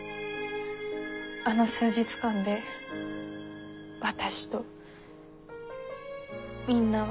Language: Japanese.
あの数日間で私とみんなは。